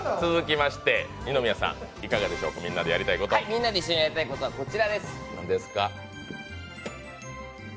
みんなで一緒にやりたいことはこちらです。